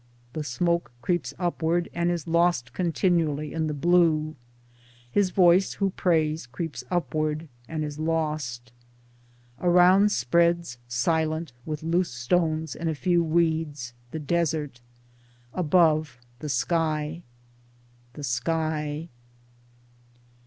The smoke creeps upward and is lost continually in the blue ; his voice who prays creeps upward and is lost. Around spreads, silent, with loose stones and a few weeds, the desert ; above, the sky. The Sky